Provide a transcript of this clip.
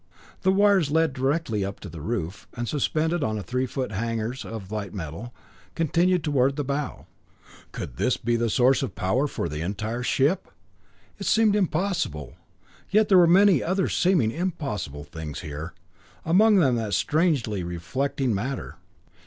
The wires led directly up to the roof, and, suspended on three foot hangers of the light metal, continued on toward the bow. Could this be the source of power for the entire ship? It seemed impossible, yet there were many other seeming impossible things here, among them that strangely reflecting matter.